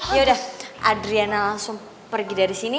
yaudah adriana langsung pergi dari sini